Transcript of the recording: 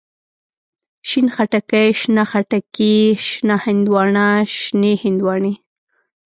شين خټکی، شنه خټکي، شنه هندواڼه، شنې هندواڼی.